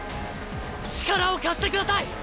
力を貸してください！